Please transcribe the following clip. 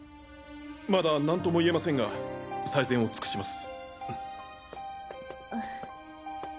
まだなんとも言えませんが最善を尽くします。